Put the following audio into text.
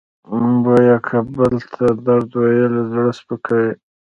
بویه که بل ته درد ویل زړه سپکوي.